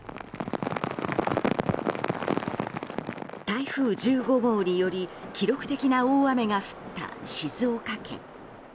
台風１５号により記録的な大雨が降った静岡県。